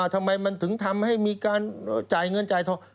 ทำไมมันถึงทำให้มีการจ่ายเงินจ่ายทอง